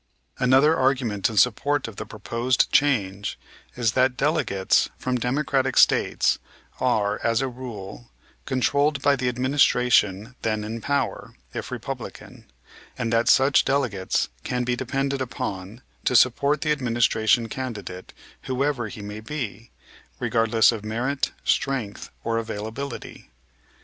Another argument in support of the proposed change is that delegates from Democratic States are, as a rule, controlled by the administration then in power, if Republican, and that such delegates can be depended upon to support the administration candidate whoever he may be, regardless of merit, strength or availability.